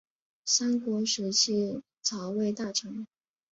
三国时期曹魏大臣。